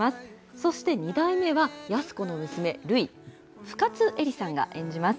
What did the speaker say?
そして、２代目は安子の娘、るい、深津絵里さんが演じます。